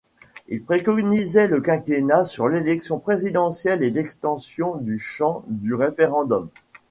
Il préconisait le quinquennat pour l’élection présidentielle et l’extension du champ du referendum.